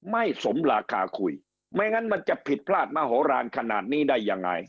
ไม่สมราคาคุยไม่งั้นมันจะผิดพลาดมโหลานขนาดนี้ได้ยังไง